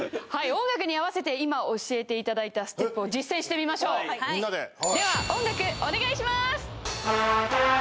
音楽に合わせて今教えていただいたステップを実際にしてみましょうはいでは音楽お願いします！